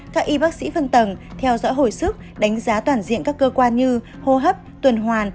các y bác sĩ phân tầng theo dõi hồi sức đánh giá toàn diện các cơ quan như hô hấp tuần hoàn